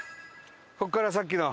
ここからさっきの。